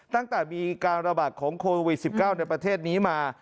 ตั้งแต่มีการระบาดของโควิด๑๙ในประเทศนี้มา